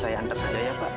saya antar saja ya pak